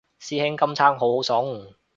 師兄今餐好好餸